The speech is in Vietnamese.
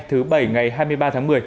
thứ bảy ngày hai mươi ba tháng một mươi